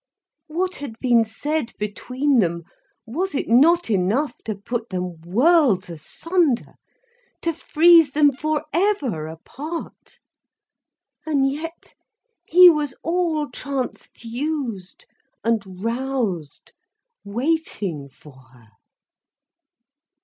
What had been said between them, was it not enough to put them worlds asunder, to freeze them forever apart! And yet he was all transfused and roused, waiting for her.